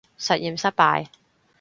實驗失敗